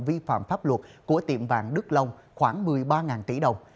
vi phạm pháp luật của tiệm vàng đức long khoảng một mươi ba tỷ đồng